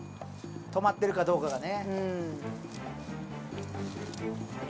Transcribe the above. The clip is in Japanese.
泊まってるかどうかがね。